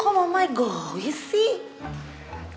kok mama egois sih